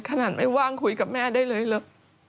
ขนาดไม่ว่างคุยกับแม่ได้เลยเหรอ